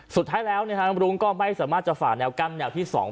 สุดท้ายแล้วเนี้ยนะฮะรุ้งก็ไม่สามารถจะฝ่าแนวกรรมแนวที่สอง